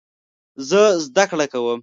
زه زده کړه کوم